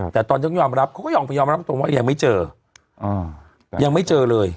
แต่ตอนต้องยอมรับเขาก็ยอมยอมรับตรงว่ายังไม่เจอยังไม่เจอเลย